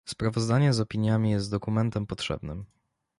Sprawozdanie z opiniami jest dokumentem potrzebnym